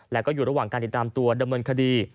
และก็อยู่ระหว่างการติดตามตัวดำเนินคดี